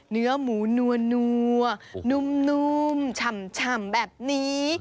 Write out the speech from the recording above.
เนื้อหมูนัวนุ่มฉ่ำแบบนี้